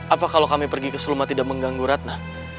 apa kalau kami pergi ke sulma tidak mengganggu ratna